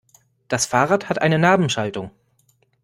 Das Fahrrad hat eine Nabenschaltung.